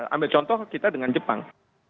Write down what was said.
ambil contoh kita dengan jepang